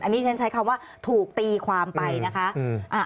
อันนี้ฉันใช้คำว่าถูกตีความไปนะคะ